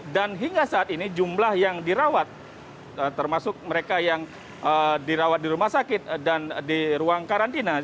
dan hingga saat ini jumlah yang dirawat termasuk mereka yang dirawat di rumah sakit dan di ruang karantina